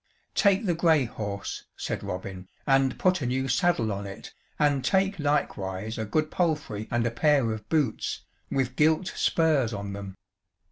"Take the grey horse," said Robin, "and put a new saddle on it, and take likewise a good palfrey and a pair of boots, with gilt spurs on them.